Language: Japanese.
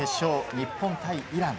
日本対イラン。